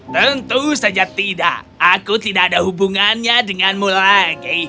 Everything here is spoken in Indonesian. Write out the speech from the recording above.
tentu saja tidak aku tidak ada hubungannya denganmu lagi